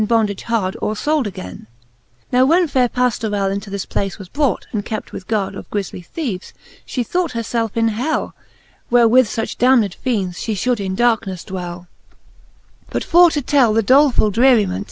bondage hard,. Or fold againe. Now when faire Pajiorell Into this place was brought, and kept with gard. Of griefly theeves,, fbe thought her felf in. hell, , Where with fuch damned fiends fhe fhould in darknefle dwell!. XLIV. But for to tell the dolefuU dreriment.